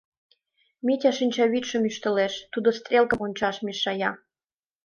Митя шинчавӱдшым ӱштылеш, тудо стрелкым ончаш мешая.